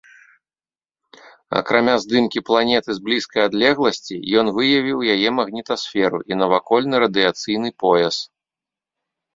Акрамя здымкі планеты з блізкай адлегласці, ён выявіў яе магнітасферу і навакольны радыяцыйны пояс.